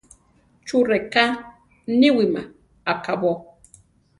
¿Chú reká niwíma akabó?